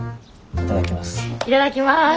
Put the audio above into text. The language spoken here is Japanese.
いただきます。